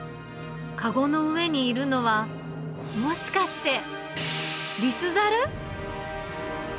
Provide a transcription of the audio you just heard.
籠の上にいるのは、もしかして、リスザル？